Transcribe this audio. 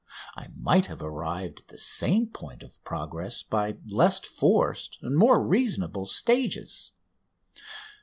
I might have arrived at the same point of progress by less forced and more reasonable stages.